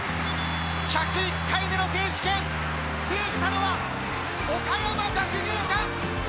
１０１回目の選手権、制したのは、岡山学芸館。